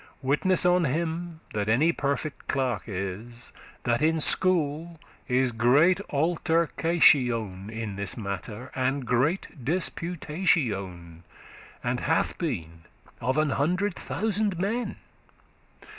Witness on him that any perfect clerk is, That in school is great altercation In this matter, and great disputation, And hath been of an hundred thousand men.